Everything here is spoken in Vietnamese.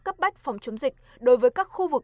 cấp bách phòng chống dịch đối với các khu vực